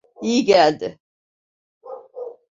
İyi geldi.